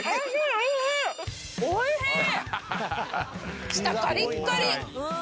おいしい！